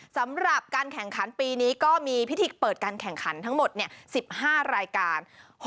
สำหรับการแข่งขันปีนี้ก็มีพิธีเปิดการแข่งขันทั้งหมด๑๕รายการ